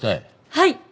はい！